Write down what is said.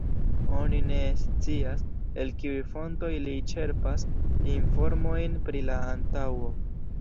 Oni ne scias el kiuj fontoj li ĉerpas informojn pri la antaŭo.